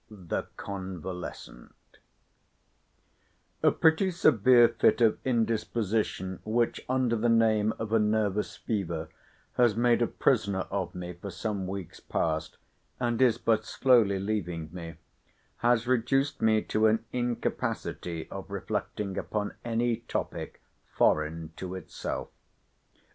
THE CONVALESCENT A pretty severe fit of indisposition which, under the name of a nervous fever, has made a prisoner of me for some weeks past, and is but slowly leaving me, has reduced me to an incapacity of reflecting upon any topic foreign to itself.